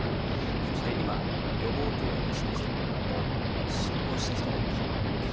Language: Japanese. そして今予防という話でしたけれども進行した人も気になりますよね。